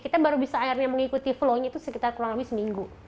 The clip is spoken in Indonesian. kita baru bisa akhirnya mengikuti flow nya itu sekitar kurang lebih seminggu